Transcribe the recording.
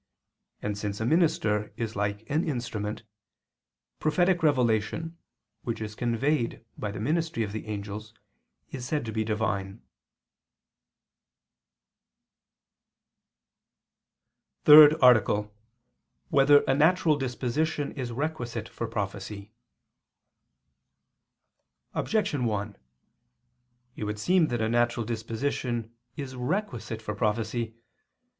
And since a minister is like an instrument, prophetic revelation, which is conveyed by the ministry of the angels, is said to be Divine. _______________________ THIRD ARTICLE [II II, Q. 172, Art. 3] Whether a Natural Disposition Is Requisite for Prophecy? Objection 1: It would seem that a natural disposition is requisite for prophecy.